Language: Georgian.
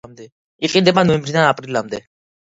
იყინება ნოემბრიდან აპრილამდე.